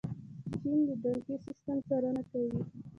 چین د بانکي سیسټم څارنه کوي.